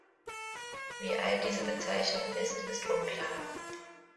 Wie alt diese Bezeichnung ist, ist unklar.